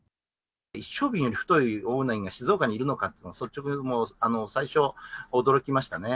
一升瓶より太いオオウナギが静岡にいるのかというのが率直に最初、驚きましたね。